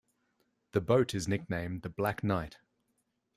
The boat is nicknamed "The Black Knight".